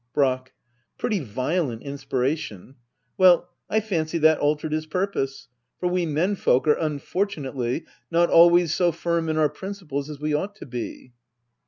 Brack. Pretty violent inspiration. WeU, I fancy that altered his purpose ; for we menfolk are unfortu nately not always so firm in our principles as we ought to be.